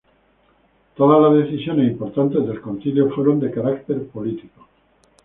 Todas las decisiones importantes del Concilio fueron de carácter político.